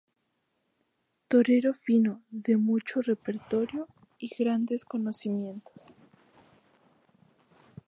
Torero fino, de mucho repertorio y grandes conocimientos.